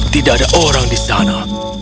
tidak ada orang di sana